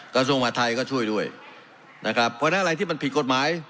กระทรวงมหาทัยก็ช่วยด้วยนะครับเพราะฉะนั้นอะไรที่มันผิดกฎหมาย